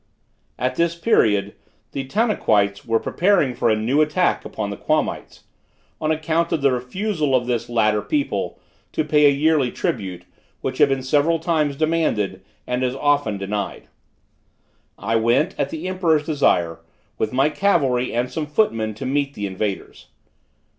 At this period the Tanaquites were preparing for a new attack upon the Quamites, on account of the refusal of this latter people to pay a yearly tribute which had been several times demanded and as often denied. I went, at the emperor's desire, with my cavalry and some footmen to meet the invaders.